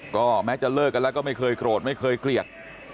ก็แม้จะเลิกกันแล้วก็ไม่เคยโกรธไม่เคยเกลียด